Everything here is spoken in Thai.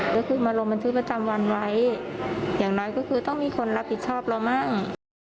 ก็คือมาลงบันทึกประจำวันไว้อย่างน้อยก็คือต้องมีคนรับผิดชอบเรามั่ง